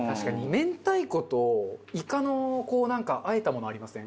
明太子とイカのこうなんか和えたものありません？